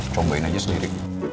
cobain aja sendiri